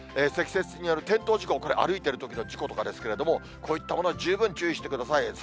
積雪による転倒事故、これ、歩いているときの事故とかですけれども、こういったことに十分注意してください。